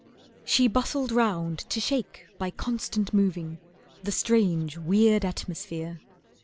She bustled round to shake by constant moving The strange, weird atmosphere.